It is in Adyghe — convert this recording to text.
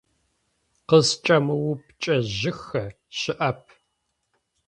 Къызкӏэмыупчӏэжьыхэ щыӏэп.